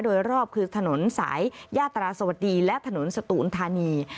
โดยรอบคือถนนสายยาตราสวัสดีและถนนสตูนธานี